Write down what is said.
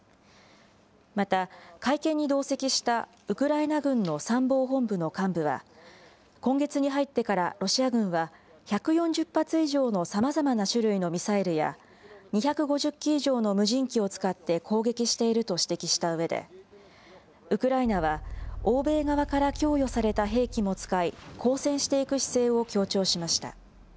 また会見に同席したウクライナ軍の参謀本部の幹部は、今月に入ってからロシア軍は、１４０発以上のさまざまな種類のミサイルや、２５０機以上の無人機を使って攻撃していると指摘したうえで、ウクライナは欧米側から供与された兵器も使い、抗戦していく姿勢を強調しました。